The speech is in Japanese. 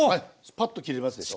パッと切れますでしょ。